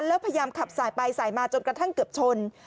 แล้วพยายามขับสายไปสายมาจนกระทั่งเกือบชน